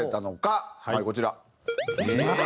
はいこちら。